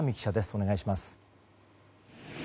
お願いします。